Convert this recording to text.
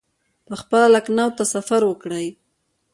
پخپله لکنهو ته سفر وکړي.